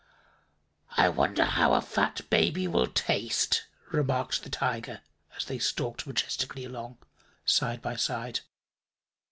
"I wonder how a fat baby will taste," remarked the Tiger, as they stalked majestically along, side by side.